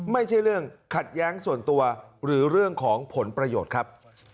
ไม่ใช่เรื่องขัดแย้งส่วนตัวหรือเรื่องของผลประโยชน์ครับ